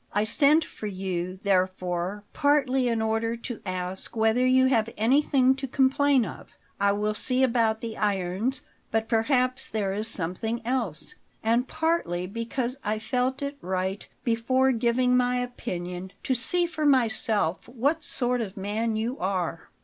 I sent for you, therefore, partly in order to ask whether you have anything to complain of, I will see about the irons; but perhaps there is something else, and partly because I felt it right, before giving my opinion, to see for myself what sort of man you are."